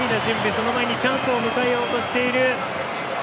その前にチャンスを迎えようとしている。